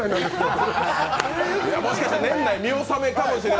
もしかしたら年内見納めかもしれない。